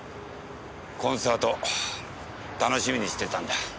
コンサート楽しみにしていたんだ。